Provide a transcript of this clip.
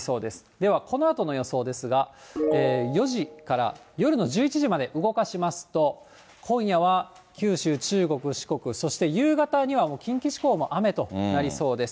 ではこのあとの予想ですが、４時から夜の１１時まで動かしますと、今夜は九州、中国、四国、そして夕方にはもう近畿地方も雨となりそうです。